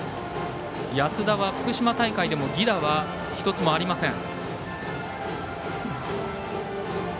安田は福島大会でも犠打は１つもありません。